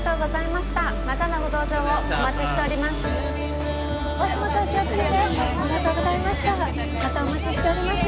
またお待ちしております。